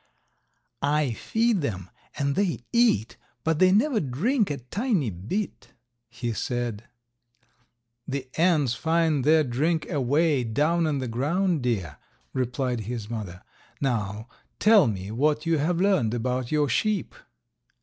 "I feed them and they eat, but they never drink a tiny bit," he said. "The ants find their drink away down in the ground, dear," replied his mother. "Now tell me what you have learned about your sheep."